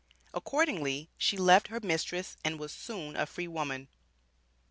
Accordingly she left her mistress and was soon a free woman.